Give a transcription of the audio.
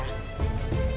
kenapa kau memilih aku